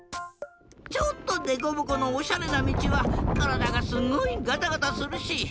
ちょっとデコボコのおしゃれなみちはからだがすごいガタガタするし。